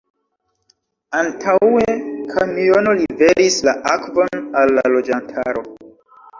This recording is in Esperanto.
Antaŭe kamiono liveris la akvon al la loĝantaro.